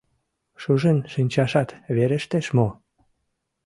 Шужен шинчашат верештеш мо?